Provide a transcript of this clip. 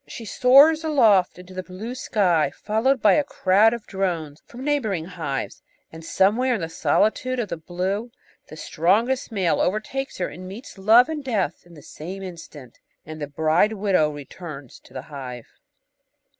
She soars aloft into the blue sky followed by a crowd of drones from neighbouring hives, and somewhere in the solitude of the blue the strongest male overtakes her and meets love and death in the same instant; and the bride widow returns to the hive.